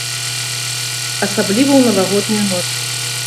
Асабліва ў навагоднюю ноч.